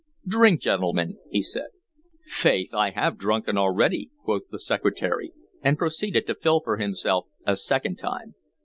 "Drink, gentlemen," he said. "Faith, I have drunken already," quoth the Secretary, and proceeded to fill for himself a second time.